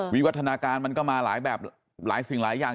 วิวัฒนาการมันก็มาหลายแบบหลายสิ่งหลายอย่าง